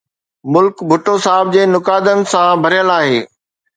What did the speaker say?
ملڪ ڀٽو صاحب جي نقادن سان ڀريل آهي.